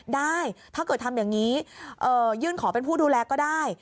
ได้ถ้าเกิดทำอย่างนี้ยื่นขอเป็นผู้ดูแลก็ได้